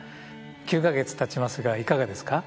９か月たちますがいかがですか？